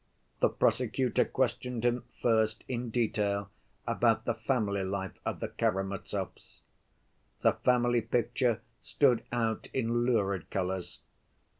The prosecutor questioned him first in detail about the family life of the Karamazovs. The family picture stood out in lurid colors.